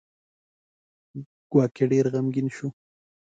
ګواکې ډېر غمګین شو.